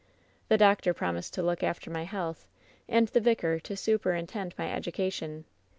The doctor promised to look after my health, and the vicar to superintend my educa tion.